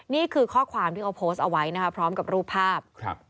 นี่คือข้อความที่เขาโพสต์เอาไว้นะคะพร้อมกับรูปภาพ